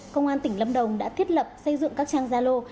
công an tỉnh lâm đồng đã thiết lập xây dựng các trang gia lô